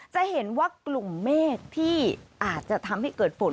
จะเห็นว่ากลุ่มเมฆที่อาจจะทำให้เกิดฝน